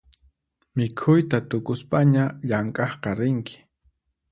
Mikhuyta tukuspaña llamk'aqqa rinki